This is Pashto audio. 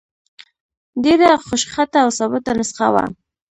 ډېره خوشخطه او ثابته نسخه وه.